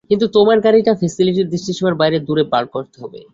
কিন্তু তোমার গাড়িটা ফ্যাসিলিটির দৃষ্টিসীমার বাইরে দূরে পার্ক করতে হবে।